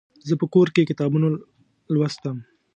زه په کور کې کتابونه لوستم.